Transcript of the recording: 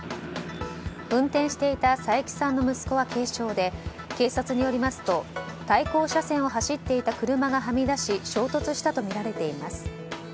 運転していた佐伯さんの息子は軽傷で、警察によりますと対向車線を走っていた車がはみ出し衝突したとみられています。